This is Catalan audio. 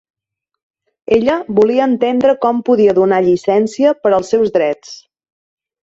Ella volia entendre com podia donar llicència per als seus drets.